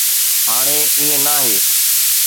هاڻي ائين ناهي.